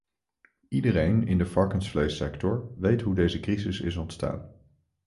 Iedereen in de varkensvleessector weet hoe deze crisis is ontstaan.